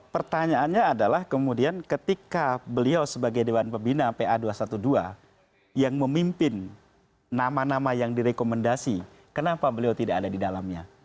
pertanyaannya adalah kemudian ketika beliau sebagai dewan pembina pa dua ratus dua belas yang memimpin nama nama yang direkomendasi kenapa beliau tidak ada di dalamnya